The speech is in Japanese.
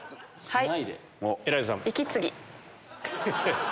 はい！